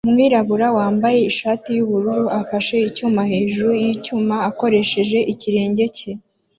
Umwirabura wambaye ishati yubururu afashe icyuma hejuru yicyuma akoresheje ikirenge cye